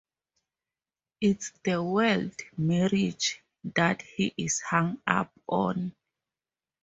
It's the word 'marriage' that he is hung up on.